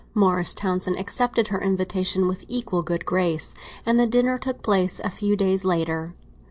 Morris Townsend accepted her invitation with equal good grace, and the dinner took place a few days later.